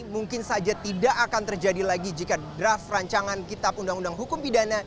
mungkin saja tidak akan terjadi lagi jika draft rancangan kitab undang undang hukum pidana